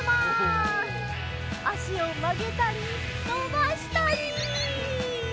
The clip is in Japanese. あしをまげたりのばしたり！